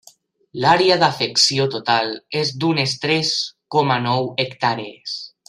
L'àrea d'afecció total és d'unes tres coma nou hectàrees.